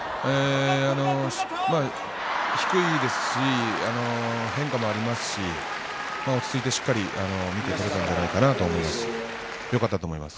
低いですし、変化もありますし落ち着いてしっかり見て取れたかなと思います。